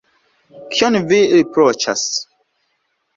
Kion vi riproĉas?